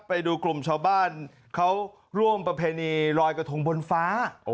ไปดูกลุ่มชาวบ้านเขาร่วมประเพณีลอยกระทงบนฟ้า